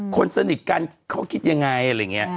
คนสนิทกันเขาคิดยังไงอะไรอย่างนี้